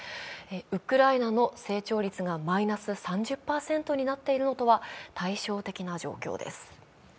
ウクライナの成長率がマイナス３０％になっているのとは対照的な状況です。